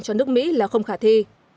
cho nước mỹ là không khả thi